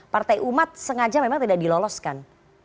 partai umat sengaja memang tidak diloloskan